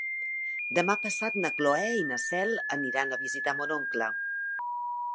Demà passat na Cloè i na Cel aniran a visitar mon oncle.